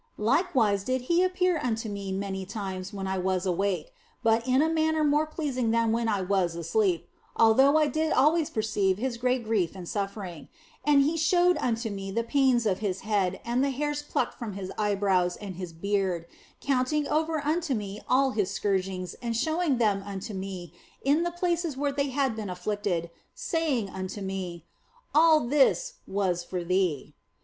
" Likewise did He appear unto me many times when I was awake, but in a manner more pleasing than when I was asleep (although I did always perceive His great grief and suffering), and He showed unto me the pains of His head and the hairs plucked from His eyebrows and His beard, counting over unto me all His scourgings and showing them unto me in the places where they had been inflicted, saying unto me, " All this was for thee."